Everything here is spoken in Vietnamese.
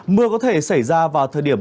mưa có thể xảy ra vào thời điểm